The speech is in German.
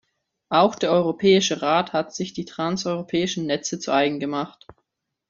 Auch der Europäische Rat hat sich die transeuropäischen Netze zu eigen gemacht.